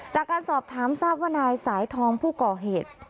จากการสอบถามทราบว่านายสายทองผู้ก่อเหตุ